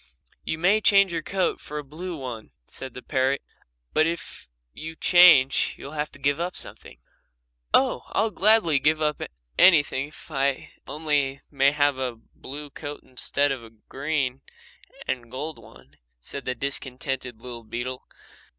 "You may change your coat for a blue one," said the parrot, "but if you change you'll have to give up something." "Oh, I'll gladly give up anything if only I may have a blue coat instead of a green and gold one," said the discontented little beetle.